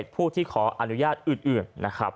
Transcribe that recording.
๗ผู้ที่ขออนุญาตอื่น